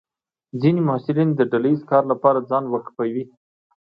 ځینې محصلین د ډله ییز کار لپاره ځان وقفوي.